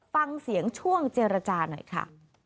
ฟังเสียงช่วงเจรจาหน่อยค่ะ